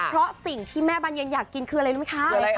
เพราะสิ่งที่แม่บรรเย็นอยากกินคืออะไรรู้ไหมคะ